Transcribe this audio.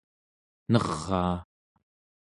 neraa